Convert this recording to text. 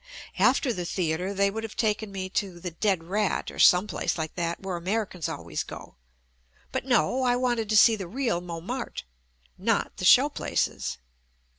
After the theatre they would have taken me to "The Dead Rat" or some place like that where Americans always go — but no, I wanted to see the real Montmartre, not the show places.